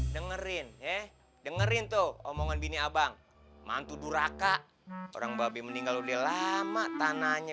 dengerin he dengerin tuh omongan bini abang mantu duraka orang babi meninggal udah lama tanahnya